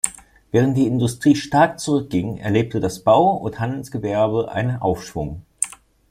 Während die Industrie stark zurückging, erlebte das Bau- und Handelsgewerbe einen Aufschwung.